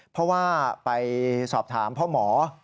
เพราะว่าไปสอบถามพ่อหมอ